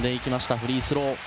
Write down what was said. フリースロー。